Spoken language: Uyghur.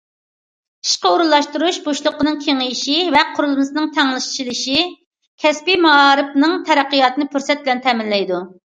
ئىشقا ئورۇنلاشتۇرۇش بوشلۇقىنىڭ كېڭىيىشى ۋە قۇرۇلمىسىنىڭ تەڭشىلىشى كەسپىي مائارىپنىڭ تەرەققىياتىنى پۇرسەت بىلەن تەمىنلەيدۇ.